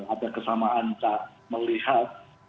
ada kesamaan tak melihat